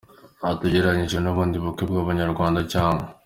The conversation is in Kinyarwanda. Ati “ Ugereranyije n’ubundi bukwe bw’abanyarwanda cyangwa